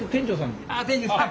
店長さん？